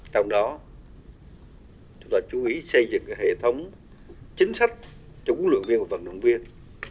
trong đó chúng tôi chú ý xây dựng hệ thống chính sách cho huấn luyện viên và vận động viên